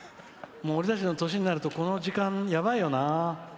俺たちの年になると、この時間やばいよな。